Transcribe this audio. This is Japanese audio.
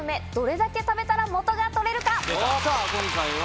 さぁ今回は。